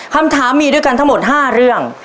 คำถามมีด้วยกันทั้งหมด๕เรื่อง